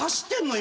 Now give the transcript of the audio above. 今。